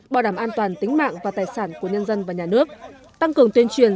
bảo đảm an toàn tính mạng và tài sản của nhân dân và nhà nước tăng cường tuyên truyền